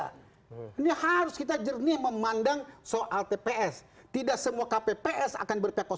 karena sebagian besar juga sebagai yang lagi karena kppnya berpikat pada dua